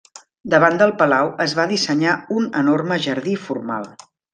Davant del palau es va dissenyar un enorme jardí formal.